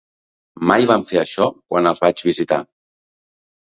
Mai van fer això quan els vaig visitar.